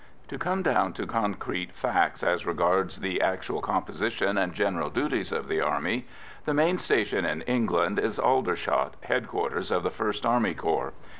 To come down to concrete facts as regards the actual composition and general duties of the Army. The main station in England is Aldershot, headquarters of the first Army Corps.